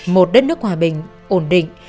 một đất nước hòa bình ổn định